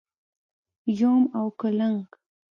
🪏 یوم او کولنګ⛏️